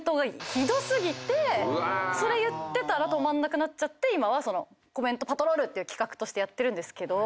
それ言ってたら止まんなくなっちゃって今はコメントパトロールっていう企画としてやってるんですけど。